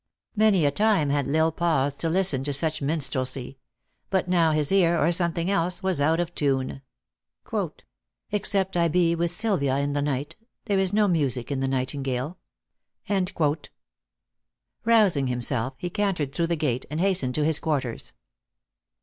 Many a time had L Isle paused to listen to such min strelsey ; but now his ear, or something else, was out of tune :" Except I be with Silvia in the night, There is no music in the nightingale." Rousing himself, he cantered through the gate, and hastened to his quarters.